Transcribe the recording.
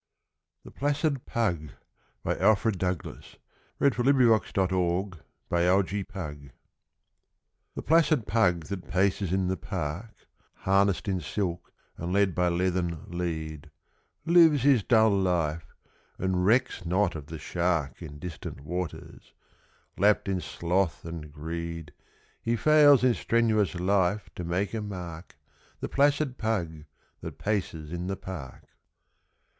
ated by P. P. 1906 [Illustration: 008] [Illustration: 010] THE PLACID PUG |THE placid Pug that paces in the Park, `Harnessed in silk and led by leathern lead, Lives his dull life, and recks not of the Shark `In distant waters. Lapped in sloth and greed, He fails in strenuous life to make a mark, The placid Pug that paces in the park.